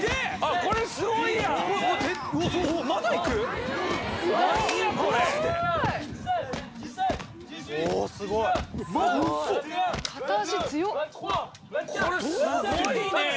これすごいねぇ。